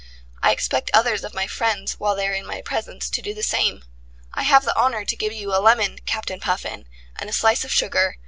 I expect others of my friends, while they are in my presence, to do the same. I have the honour to give you a lemon, Captain Puffin, and a slice of sugar.